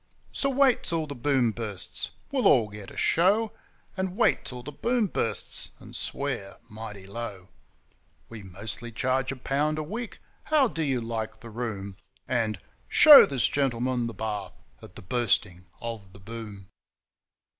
So wait till the Boom bursts! we'll all get a show; And wait till the Boom bursts, and swear mighty low. 'We mostly charge a pound a week. How do you like the room?' And 'Show this gentleman the bath' at the Bursting of the Boom.